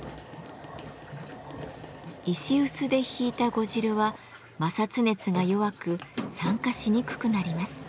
石うすでひいた呉汁は摩擦熱が弱く酸化しにくくなります。